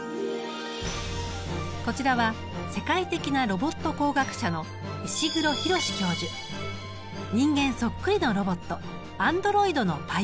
こちらは世界的なロボット工学者の人間そっくりのロボットアンドロイドのパイオニアです。